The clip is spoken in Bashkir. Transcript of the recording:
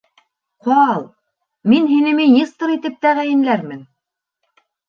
Ҡал, мин һине министр тип тәғәйенләрмен.